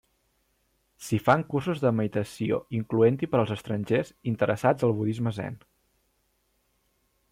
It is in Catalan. S'hi fan cursos de meditació incloent-hi per als estrangers interessats el budisme zen.